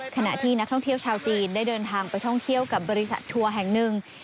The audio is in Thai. ขณะที่นักท่องเที่ยวชาวจีนได้เดินทางไปท่องเที่ยวกับบริษัททัวร์แห่งหนึ่ง